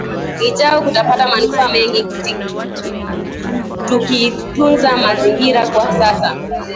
ijao kutapata manufaa mengi tukitunza mazingira kwa sasa